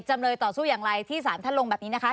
จำเลยต่อสู้อย่างไรที่สารท่านลงแบบนี้นะคะ